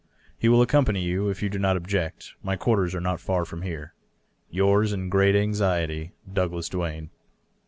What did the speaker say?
He will accompany. you, if you do not object. My quarters are not far from here. " Yours in great anxiety, " Douglas Duane."